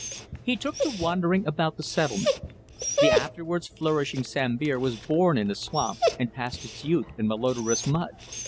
He took to wandering about the settlement. The afterwards flourishing Sambir was born in a swamp and passed its youth in malodorous mud.